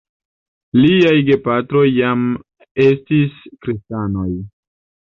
Liaj gepatroj jam estis kristanoj.